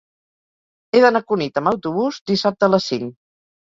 He d'anar a Cunit amb autobús dissabte a les cinc.